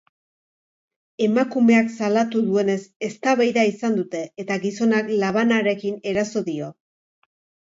Emakumeak salatu duenez, eztabaida izan dute eta gizonak labanarekin eraso dio.